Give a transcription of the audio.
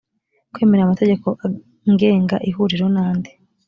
kwemera amategeko ngenga ihuriro n andi